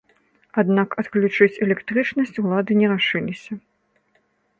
Аднак адключыць электрычнасць улады не рашыліся.